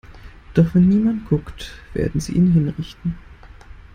Doch wenn niemand guckt, werden sie ihn hinrichten.